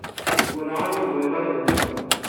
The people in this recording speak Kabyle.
Werɛad ur bɣiɣ ara ad mmteɣ.